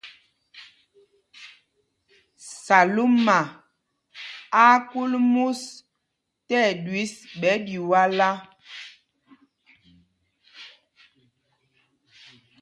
Salúma á á kūl mûs tí ɛɗüis ɓɛ̌ Ɗiwálá.